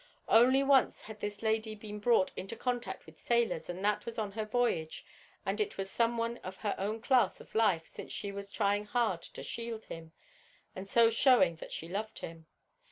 Only once had this lady been brought into contact with sailors, and that was on her voyage, and it was someone of her own class of life, since she was trying hard to shield him and so showing that she loved him.